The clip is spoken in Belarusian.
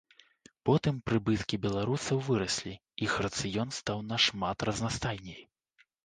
Потым прыбыткі беларусаў выраслі, іх рацыён стаў нашмат разнастайней.